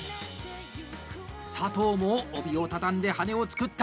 佐藤も帯を畳んで羽根を作った！